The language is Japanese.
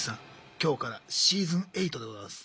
今日からシーズン８でございます。